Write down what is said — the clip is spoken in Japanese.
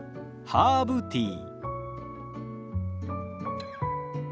ハーブティー。